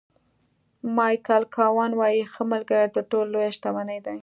مایکل کاون وایي ښه ملګری تر ټولو لویه شتمني ده.